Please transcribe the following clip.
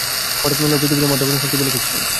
হঠাৎ মনে হল, পৃথিবীতে মাধ্যাকর্ষণ শক্তি বলে কিছু নেই।